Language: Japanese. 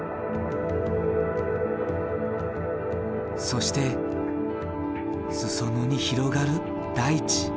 そして裾野に広がる大地。